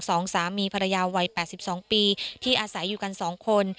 สองสามีภรรยาวัย๘๒ปีที่อาศัยอยู่กันสองคน